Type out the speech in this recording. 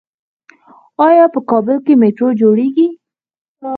آیا په کابل کې میټرو جوړیږي؟